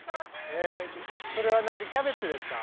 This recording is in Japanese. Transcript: それは何キャベツですか？